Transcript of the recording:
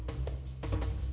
beri dukungan di kata kata kami